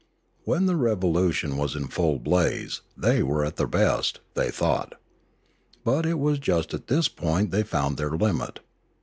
When the revolution was in full blaze, they were at their best, they thought. But it was just at this point they found their limit.